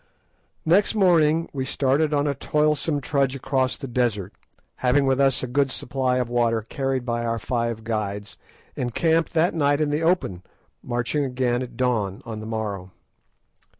Next morning we started on a toilsome trudge across the desert, having with us a good supply of water carried by our five guides, and camped that night in the open, marching again at dawn on the morrow.